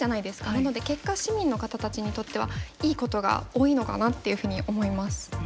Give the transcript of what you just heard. なので結果市民の方たちにとってはいいことが多いのかなっていうふうに思います。